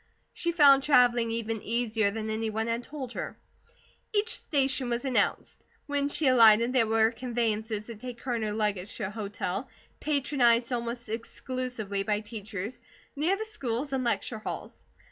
She found travelling even easier than any one had told her. Each station was announced. When she alighted, there were conveyances to take her and her luggage to a hotel, patronized almost exclusively by teachers, near the schools and lecture halls.